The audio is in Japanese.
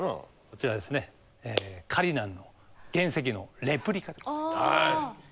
こちらですねカリナンの原石のレプリカでございます。